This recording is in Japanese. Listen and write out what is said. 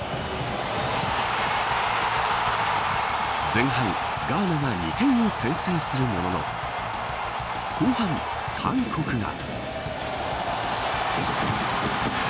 前半ガーナが２点を先制するものの後半、韓国が。